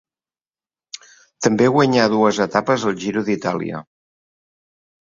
També guanyà dues etapes al Giro d'Itàlia.